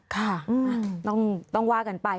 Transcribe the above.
ค่ะต้องว่ากันไป